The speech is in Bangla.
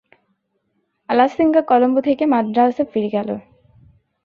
আলাসিঙ্গা কলম্বো থেকে মান্দ্রাজে ফিরে গেল।